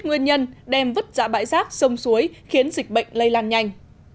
nguyên nhân đem vứt ra bãi rác sông suối khiến dịch bệnh lây lan nhanh